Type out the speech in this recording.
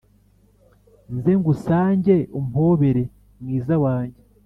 Nze ngusange umpobere mwiza wanjye